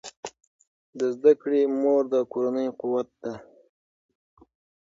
د زده کړې مور د کورنۍ قوت ده.